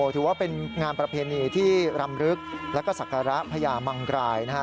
ถือว่าเป็นงานประเพณีที่รำลึกแล้วก็ศักระพญามังกรายนะฮะ